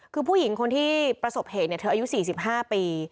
คือผู้หญิงคนที่ประสบเหตุเนี้ยเธออายุสี่สิบห้าปี